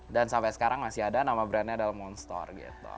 dan sampai sekarang masih ada nama brandnya adalah monster gitu